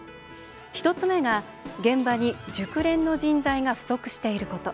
１つ目が現場に熟練の人材が不足していること。